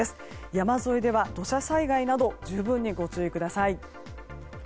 山沿いでは土砂災害など十分にご注意ください。